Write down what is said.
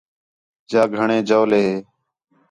جا گھݨیں جَولے ہِے